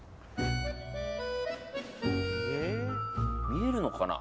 見えるのかな？